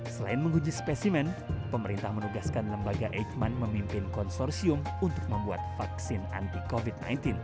selain menguji spesimen pemerintah menugaskan lembaga eijkman memimpin konsorsium untuk membuat vaksin anti covid sembilan belas